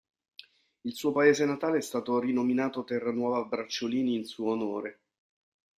Il suo paese natale è stato rinominato Terranuova Bracciolini in suo onore.